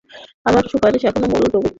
আমার সুপারিশ এখনো মুলতুবি।